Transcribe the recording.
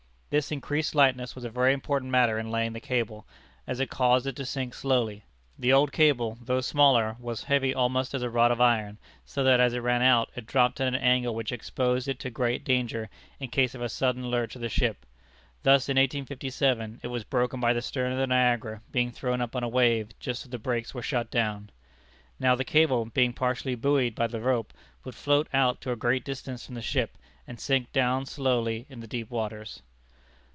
This increased lightness was a very important matter in laying the cable, as it caused it to sink slowly. The old cable, though smaller, was heavy almost as a rod of iron, so that, as it ran out, it dropped at an angle which exposed it to great danger in case of a sudden lurch of the ship. Thus in 1857 it was broken by the stern of the Niagara being thrown up on a wave just as the brakes were shut down. Now the cable, being partially buoyed by the rope, would float out to a great distance from the ship, and sink down slowly in the deep waters.